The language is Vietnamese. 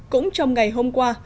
cũng trong ngày hôm qua